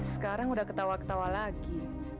sekarang udah ketawa ketawa lagi